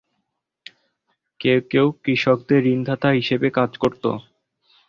কেউ কেউ কৃষকদের ঋণদাতা হিসেবে কাজ করত।